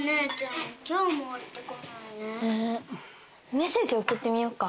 メッセージ送ってみようか。